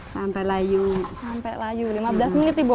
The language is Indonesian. sampai layu lima belas menit ya bu